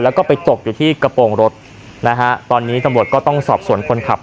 แล้วก็ไปตกอยู่ที่กระโปรงรถนะฮะตอนนี้ตำรวจก็ต้องสอบสวนคนขับ